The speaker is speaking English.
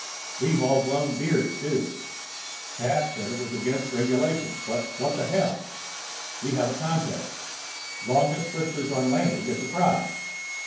We've all grown beards, too. Pat said it was against regulations, but what the hell. We have a contest. Longest whiskers on landing gets a prize.